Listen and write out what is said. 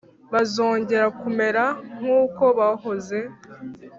bazongera kumera nk’uko bahoze